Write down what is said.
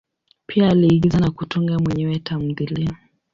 Pia aliigiza na kutunga mwenyewe tamthilia.